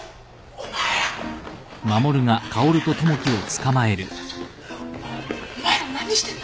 お前ら何してんだよ。